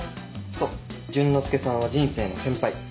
そう淳之介さんは人生の先輩。